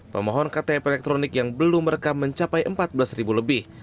pemohon ktp elektronik yang belum merekam mencapai empat belas ribu lebih